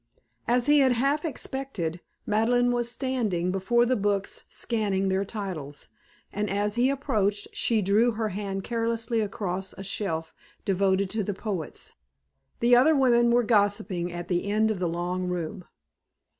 As he had half expected, Madeleine was standing before the books scanning their titles, and as he approached she drew her hand caressingly across a shelf devoted to the poets. The other women were gossiping at the end of the long room.